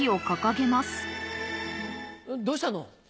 どうしたの？